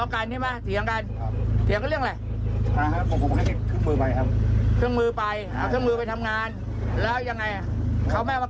เขาไม่เอามาคืนหรือว่าเราไปทวงเขาอะไรให้เขาเก็บไปเขาออกไปกันนั้น